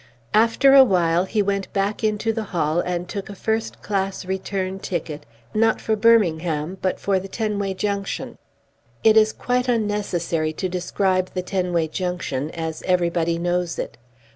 After a while he went back into the hall and took a first class return ticket, not for Birmingham, but for the Tenway Junction. It is quite unnecessary to describe the Tenway Junction, as everybody knows it.